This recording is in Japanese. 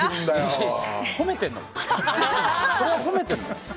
それは褒めてるの？